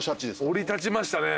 降り立ちましたね。